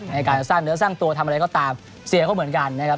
ในการสร้างเนื้อสร้างตัวทำอะไรก็ตามเสียเขาเหมือนกันนะครับ